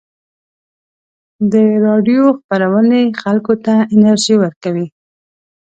د راډیو خپرونې خلکو ته انرژي ورکوي.